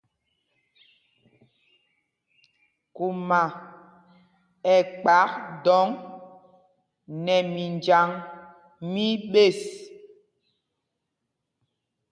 Kuma ɛ kpak dɔŋ nɛ minjaŋ mí ɓes.